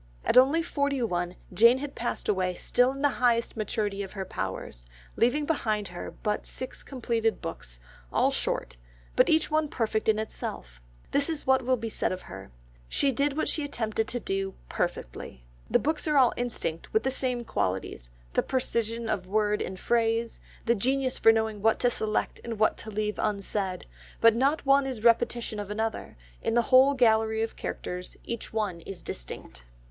At only forty one Jane had passed away still in the highest maturity of her powers, leaving behind her but six completed books, all short, but each one perfect in itself. This is what will be said of her—She did what she attempted to do perfectly. The books are all instinct with the same qualities, the precision of word and phrase, the genius for knowing what to select and what to leave unsaid, but not one is a repetition of another, in the whole gallery of characters each one is distinct.